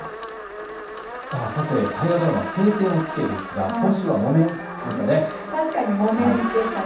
さて、大河ドラマ、青天を衝けですが今週は木綿でしたね。